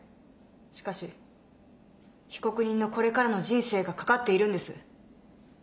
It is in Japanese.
しかし被告人のこれからの人生が懸かっているんです。